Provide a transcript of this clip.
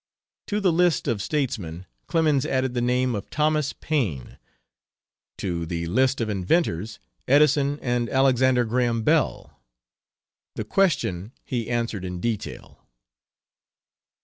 To the list of statesmen Clemens added the name of Thomas Paine; to the list of inventors, Edison and Alexander Graham Bell. The question he answered in detail.